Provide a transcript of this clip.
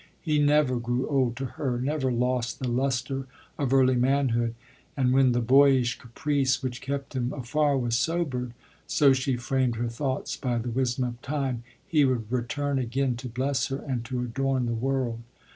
He never grew old to her — never lost the lustre of early manhood ; and when the boyish caprice which kept him afar was sobered, so she framed her thoughts, by the wisdom of time, he would return again to bless her and to adorn the world.